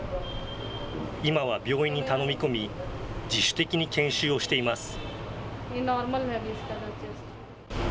今は病院に頼み込み、自主的に研修をしています。